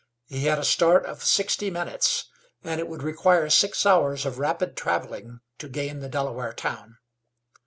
He had a start of sixty minutes, and it would require six hours of rapid traveling to gain the Delaware town.